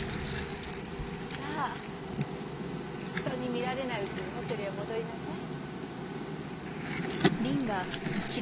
さあ人に見られないうちにホテルへ戻りなさい。